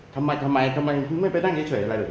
ทำไมไม่ไปนั่งเฉยอะไรหรือ